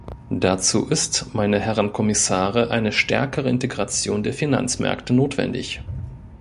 Dazu ist, meine Herren Kommissare, eine stärkere Integration der Finanzmärkte notwendig.